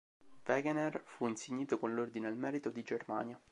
Wegener fu insignito con l'Ordine al merito di Germania.